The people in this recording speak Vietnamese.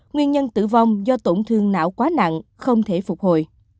nguyên nhân tử vong do tổn thương não quá nặng không thể phục hồi